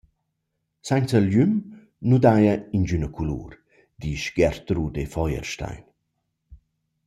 «Sainza glüm nu daja ingüna culur», disch Gertrude Feuerstein.